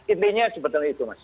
intinya sebetulnya itu mas